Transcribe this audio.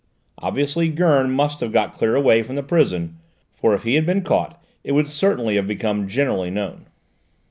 Obviously Gurn must have got clear away from the prison, for if he had been caught it would certainly have become generally known.